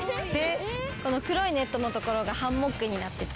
この黒いネットの所がハンモックになってて。